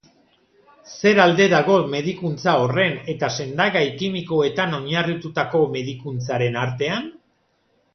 Zer alde dago medikuntza horren eta sendagai kimikoetan oinarritutako medikuntzaren artean?